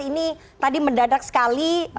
ini tadi mendadak sekali